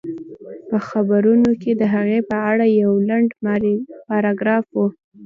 په خبرونو کې د هغې په اړه يو لنډ پاراګراف و